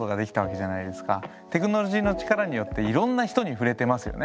テクノロジーの力によっていろんな人に触れてますよね。